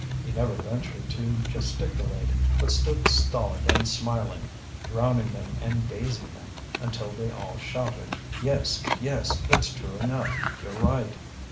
He never ventured to gesticulate, but stood stolid and smiling, drowning them and dazing them, until they all shouted: "Yes, yes, that's true enough, you're right!"